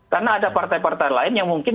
karena ada partai partai lain yang mungkin